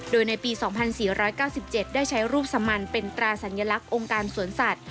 โดยในปี๒๔๙๗ได้ใช้รูปสมันเป็นตราสัญลักษณ์องค์การสวนสัตว